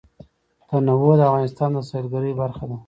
تنوع د افغانستان د سیلګرۍ برخه ده.